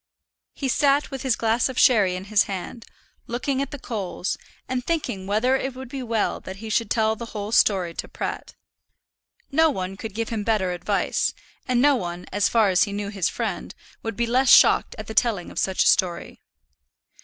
He sat with his glass of sherry in his hand, looking at the coals, and thinking whether it would not be well that he should tell the whole story to Pratt. No one could give him better advice; and no one, as far as he knew his friend, would be less shocked at the telling of such a story.